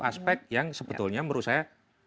aspek yang sebetulnya menurut saya